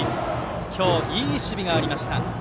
今日いい守備がありました